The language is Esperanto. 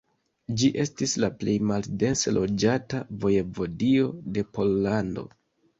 Ĝi estis la plej maldense loĝata vojevodio de Pollando.